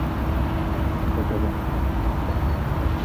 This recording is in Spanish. Fue condiscípulo de Juan Valera y Antonio Cánovas del Castillo.